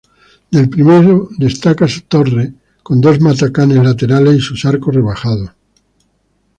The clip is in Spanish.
Del primero destaca su torre con dos matacanes laterales y sus arcos rebajados.